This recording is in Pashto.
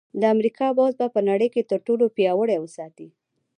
د امریکا پوځ به په نړۍ کې تر ټولو پیاوړی وساتي